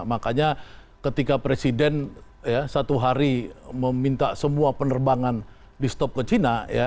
makanya ketika presiden satu hari meminta semua penerbangan di stop ke china ya